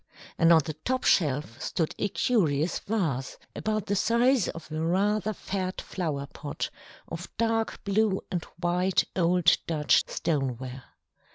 And on the top shelf stood a curious vase, about the size of a rather fat flower pot, of dark blue and white old Dutch stoneware.